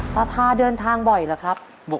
ทาทาเดินทางบ่อยเหรอครับ